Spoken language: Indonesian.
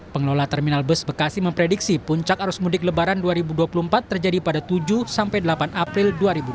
pengelola terminal bus bekasi memprediksi puncak arus mudik lebaran dua ribu dua puluh empat terjadi pada tujuh sampai delapan april dua ribu dua puluh